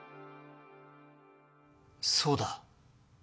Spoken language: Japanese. そうだ。